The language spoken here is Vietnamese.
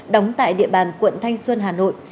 đóng tại địa bàn quận thanh xuân hà nội